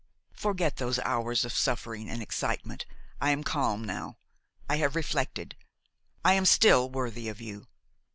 Forget those hours of suffering and excitement. I am calm now; I have reflected; I am still worthy of you.